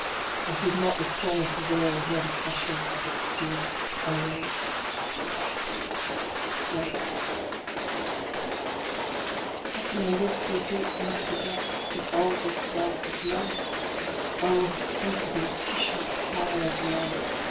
I heed not the storm of the world, nor the clashing of ts steel. I wait wait wait ! V. How can I live so deep into the depths with all this wealth of love ? INTO THE DEPTHS. 55 Oh, unspeakable, passionate fire of love